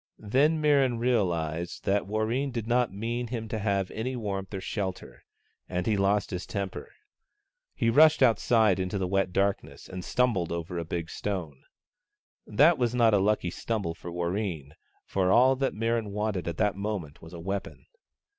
Then Mirran realized that Warreen did not mean him to have any warmth or shelter, and he lost his temper. He rushed outside into the wet darkness, and stumbled over a big stone. That was not a MIRRAN AND WARREEN 157 lucky stumble for Warreen, for all that Mirran wanted at the moment was a weapon.